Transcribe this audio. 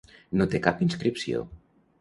No té cap inscripció.